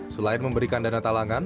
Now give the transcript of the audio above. selain memberikan dana talangan